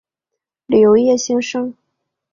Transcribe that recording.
旅游业兴盛。